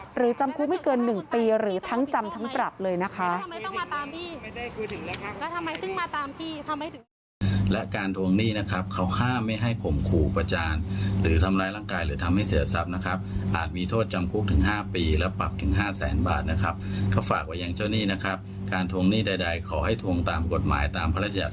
จำคุกไม่เกิน๑ปีหรือทั้งจำทั้งปรับเลยนะคะ